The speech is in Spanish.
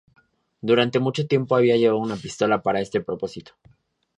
Durante mucho tiempo había llevado una pistola para este propósito.